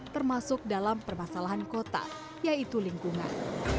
termasuk dalam permasalahan kota yaitu lingkungan